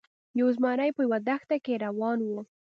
یو زمری په یوه دښته کې روان و.